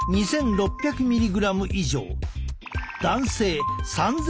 ３，０００ｍｇ以上。